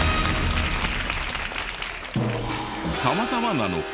たまたまなのか？